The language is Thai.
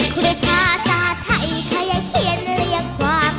คุณภาษาไทยใครอย่างเขียนเรียกว่า